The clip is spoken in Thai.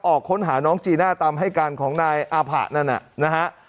ออกค้นหาน้องจีน่าตามให้การของนายอาผะนั่นน่ะนะฮะ